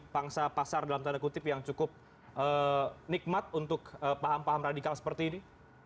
pangsa pasar dalam tanda kutip yang cukup nikmat untuk paham paham radikal seperti ini